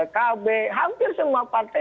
kb hampir semua partai